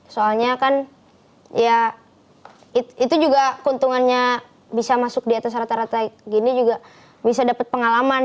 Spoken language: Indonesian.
soalnya kan ya itu juga keuntungannya bisa masuk di atas rata rata gini juga bisa dapat pengalaman